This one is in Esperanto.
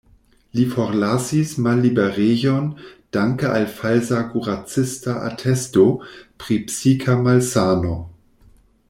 Li forlasis malliberejon danke al falsa kuracista atesto pri psika malsano.